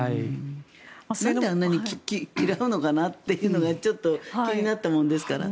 なんであんなに嫌うのかなというのがちょっと気になったものですから。